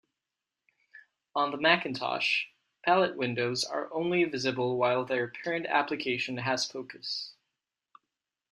On the Macintosh, palette windows are only visible while their parent application has focus.